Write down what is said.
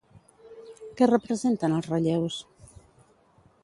Què representen els relleus?